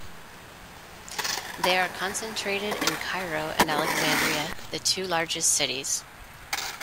They are concentrated in Cairo and Alexandria, the two largest cities.